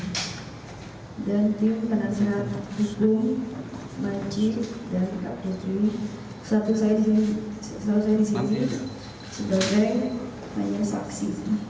satu saya disini sebagai tanya saksi